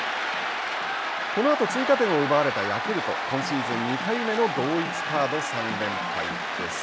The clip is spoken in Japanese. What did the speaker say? このあと追加点を奪われたヤクルト今シーズン２回目の同一カード３連敗です。